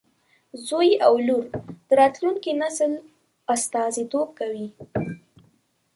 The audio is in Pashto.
زوی او لور د راتلونکي نسل استازیتوب کوي.